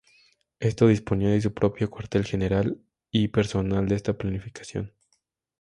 Este disponía de su propio cuartel general y personal de planificación.